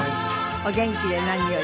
お元気で何より。